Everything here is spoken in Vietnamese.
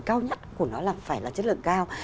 cao nhất của nó là phải là chất lượng cao